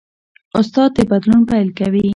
استاد د بدلون پیل کوي.